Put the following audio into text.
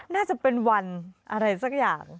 น่าจะเป็นวันอะไรสักอย่าง